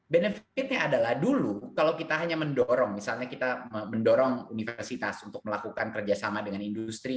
benefitnya adalah dulu kalau kita hanya mendorong misalnya kita mendorong universitas untuk melakukan kerjasama dengan industri